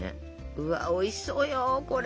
うわおいしそうよこれ！